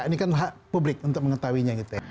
ini kan hak publik untuk mengetahuinya gitu ya